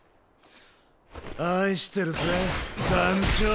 愛してるぜ団ちょ。